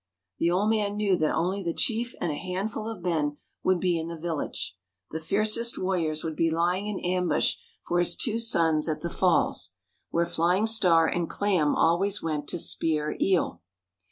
The old man knew that only the chief and a handful of men would be in the village; the fiercest warriors would be lying in ambush for his two sons at the falls, where Flying Star and Clam always went to spear eel.